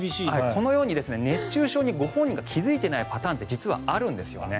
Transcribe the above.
このように熱中症にご本人が気付いていないパターン実はあるんですよね。